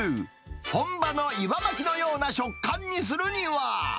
本場の湯葉巻きのような食感にするには。